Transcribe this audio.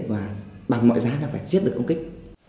và bằng mọi giá là phải giết được ông kích